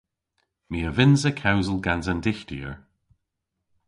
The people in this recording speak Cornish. My a vynnsa kewsel gans an Dyghtyer.